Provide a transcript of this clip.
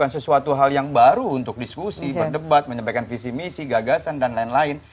ini sesuatu hal yang baru untuk diskusi berdebat menyebarkan visi misi gagasan dan lain lain